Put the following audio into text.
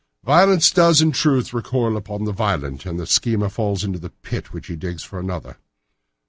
Violence does, in truth, recoil upon the violent, and the schemer falls into the pit which he digs for another.